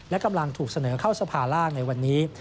และกำลังถูกเสนอเข้าสภาล่างในวันนี้